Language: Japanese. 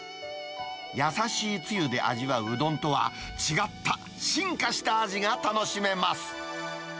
優しいつゆで味わううどんとは違った進化した味が楽しめます。